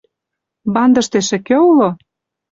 Бандыште эше кӧ уло?»